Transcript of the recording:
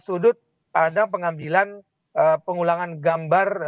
sudut ada pengambilan pengulangan gambar